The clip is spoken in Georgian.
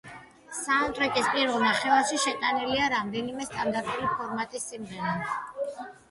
საუნდტრეკის პირველ ნახევარში შეტანილია რამდენიმე სტანდარტული ფორმატის სიმღერა.